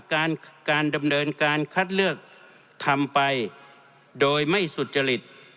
การการดำเนินการคัดเลือกทำไปโดยไม่สุจริต